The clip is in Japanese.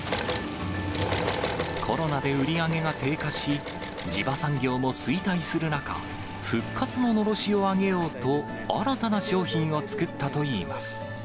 コロナで売り上げが低下し、地場産業も衰退する中、復活ののろしを上げようと、新たな商品を作ったといいます。